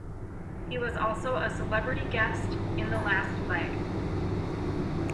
He was also a celebrity guest in The Last Leg.